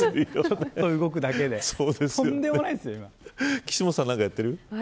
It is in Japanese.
動くだけで岸本さん、何かやってる。